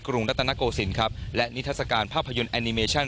รุงรัตนโกศิลป์ครับและนิทัศกาลภาพยนตร์แอนิเมชั่น